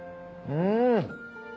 うん！